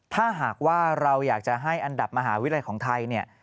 ถ้าหากว่าเราอยากจะให้อันดับมหาวิทยาลัยของไทยเนี่ย